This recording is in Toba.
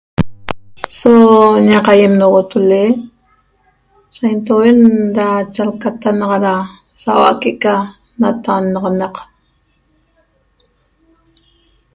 So ñaq aýem nogotole saintouen ra chalcata naxa ra saua'a que'eca natannaxanaq